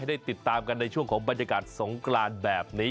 ได้ติดตามกันในช่วงของบรรยากาศสงกรานแบบนี้